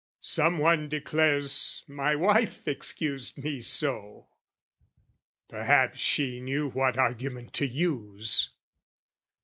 Someone declares my wife excused me so! Perhaps she knew what argument to use.